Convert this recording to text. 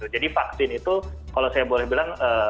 jadi vaksin itu kalau saya boleh bilang